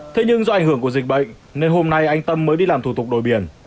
thế nhưng do ảnh hưởng của dịch bệnh nên hôm nay anh tâm mới đi làm thủ tục đổi biển